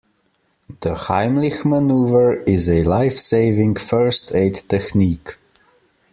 The Heimlich manoeuvre is a lifesaving first aid technique.